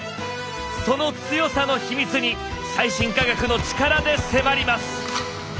その強さの秘密に最新科学の力で迫ります。